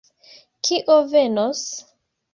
Kio venos?